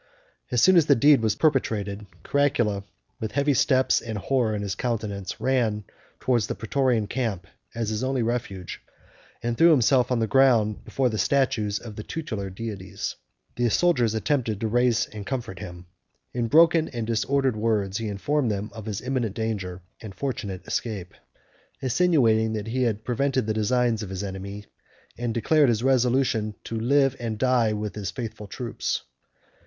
As soon as the deed was perpetrated, Caracalla, with hasty steps, and horror in his countenance, ran towards the Prætorian camp, as his only refuge, and threw himself on the ground before the statues of the tutelar deities. 22 The soldiers attempted to raise and comfort him. In broken and disordered words he informed them of his imminent danger, and fortunate escape; insinuating that he had prevented the designs of his enemy, and declared his resolution to live and die with his faithful troops.